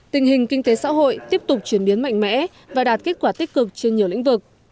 tình hình kinh tế xã hội tiếp tục chuyển biến mạnh mẽ và đạt kết quả tích cực trên nhiều lĩnh vực